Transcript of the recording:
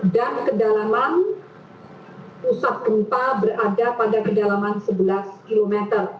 dan kedalaman pusat gempa berada pada kedalaman sebelas km